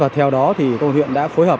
theo đó công an huyện đã phối hợp